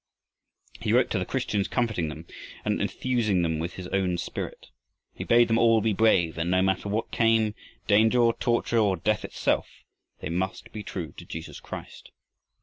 He wrote to the Christians comforting them and enthusing them with his own spirit. He bade them all be brave, and no matter what came, danger or torture or death itself, they must be true to Jesus Christ.